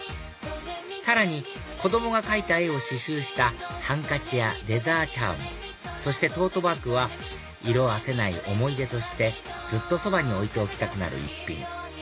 さらに子供が描いた絵を刺繍したハンカチやレザーチャームそしてトートバッグは色あせない思い出としてずっとそばに置いておきたくなる一品